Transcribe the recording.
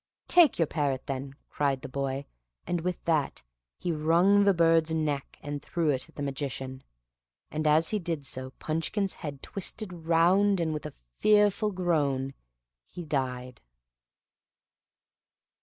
"Take your parrot, then, cried the boy, and with that. he wrung the bird's neck, and threw it at the magician; and as he did so, Punchkin's head twisted round and, with a fearful groan, he died!